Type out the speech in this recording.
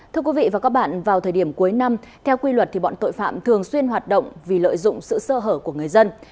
thưa quý vị và các bạn vào thời điểm cuối năm theo quy luật bọn tội phạm thường xuyên hoạt động vì lợi dụng sự sơ hở của người dân